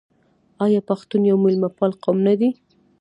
آیا پښتون یو میلمه پال قوم نه دی؟